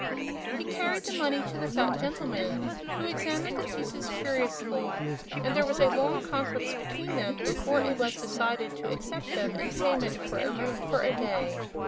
He carried the money to the fat gentleman, who examined the pieces curiously, and there was a long conference between them before it was decided to accept them in payment for a room for a day.